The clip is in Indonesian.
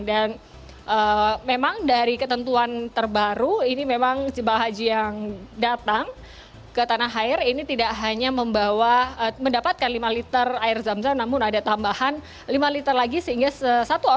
dan memang dari ketentuan terbaru ini memang jemaah haji yang datang ke tanah air ini tidak hanya membawa mendapatkan lima liter air zam zam namun ada tambahan lima liter lagi sehingga satu orang jemaah ini mendapatkan sepuluh liter